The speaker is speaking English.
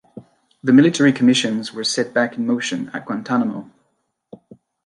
The military commissions were set back in motion at Guantanamo.